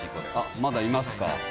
まだいますか。